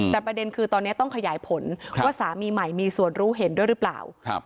แต่ประเด็นคือตอนนี้ต้องขยายผลว่าสามีใหม่มีส่วนรู้เห็นด้วยหรือเปล่า